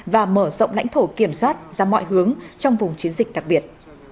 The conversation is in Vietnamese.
và mở rộng lãnh thổ kiểm soát ra mọi hướng trong vùng chiến dịch đặc biệt